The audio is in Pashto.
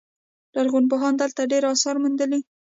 لرغونپوهانو دلته ډیر اثار موندلي